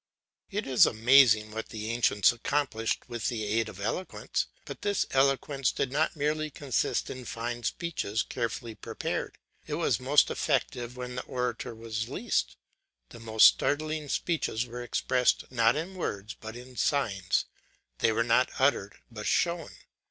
It is amazing what the ancients accomplished with the aid of eloquence; but this eloquence did not merely consist in fine speeches carefully prepared; and it was most effective when the orator said least. The most startling speeches were expressed not in words but in signs; they were not uttered but shown.